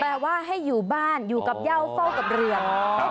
แปลว่าให้อยู่บ้านอยู่กับเยาว์เฝ้ากับเหวือน